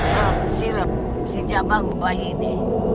rok sirap si jabang bahine